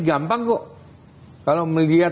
gampang kok kalau melihat